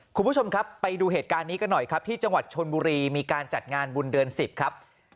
คุณผู้ชมครับไปดูเหตุการณ์นี้กันหน่อยครับที่จังหวัดชนบุรีมีการจัดงานบุญเดือน๑๐ครับ